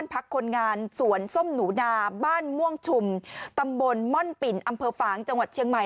พร่อมชุมตำบลม่อนปิ่นอัมเภอฝางจังหวัดเชียงใหม่